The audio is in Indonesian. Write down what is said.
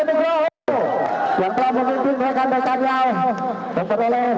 dan ini lagi angkut kita andi setianegraho yang telah meng implies iban berkanil